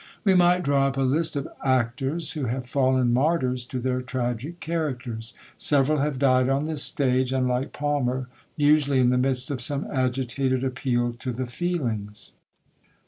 We might draw up a list of ACTORS, who have fallen martyrs to their tragic characters. Several have died on the stage, and, like Palmer, usually in the midst of some agitated appeal to the feelings.